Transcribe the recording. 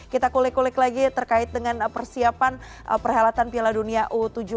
kita kulik kulik lagi terkait dengan persiapan perhelatan piala dunia u tujuh belas